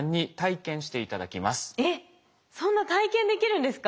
えっそんな体験できるんですか？